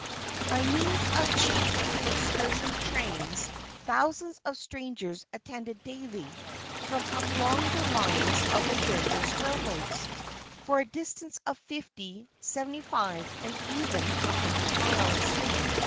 By means of cheap excursion trains, thousands of strangers attended daily from along the lines of the various railroads, for a distance of fifty, seventy five and even a hundred miles.